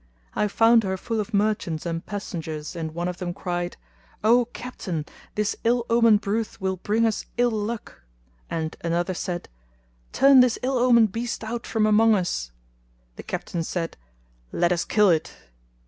I found her full of merchants and passengers and one of them cried, "O Captain, this ill omened brute will bring us ill luck!" and another said, "Turn this ill omened beast out from among us;" the Captain said, "Let us kill it!"